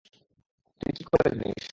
তুই কি করে জানিস?